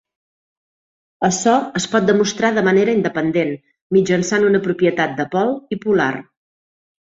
Açò es pot demostrar de manera independent mitjançant una propietat de pol i polar.